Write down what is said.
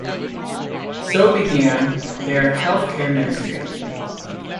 So began their health care ministry.